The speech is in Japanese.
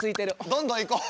どんどんいこう。